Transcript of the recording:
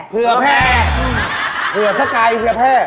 เผื่อแพร่เผื่อสไกรเผื่อแพร่